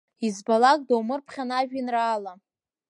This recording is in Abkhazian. Избалак даумырԥхьан ажәеинраала.